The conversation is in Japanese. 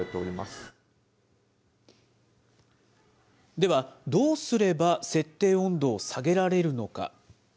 では、どうすれば設定温度を下げられるのか。